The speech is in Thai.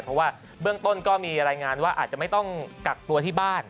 เพราะว่าเบื้องต้นก็มีรายงานว่าอาจจะไม่ต้องกักตัวที่บ้าน